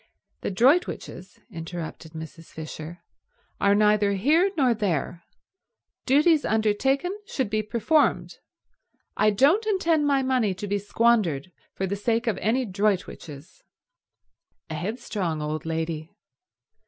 "The Droitwiches," interrupted Mrs. Fisher, "are neither here nor there. Duties undertaken should be performed. I don't intend my money to be squandered for the sake of any Droitwiches." A headstrong old lady.